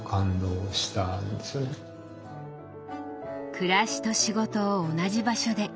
暮らしと仕事を同じ場所で。